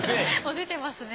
出てますね。